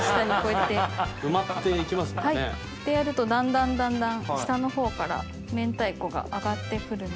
ってやるとだんだんだんだん下の方から明太子が上がってくるので。